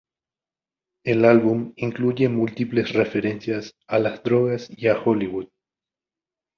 El álbum incluye múltiples referencias a las drogas y a Hollywood.